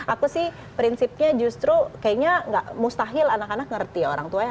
aku sih prinsipnya justru kayaknya gak mustahil anak anak ngerti orang tuanya